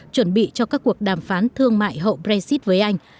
chuẩn bị cho các cuộc đàm phán thương mại hậu brexit với anh